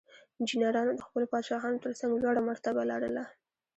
انجینرانو د خپلو پادشاهانو ترڅنګ لوړه مرتبه لرله.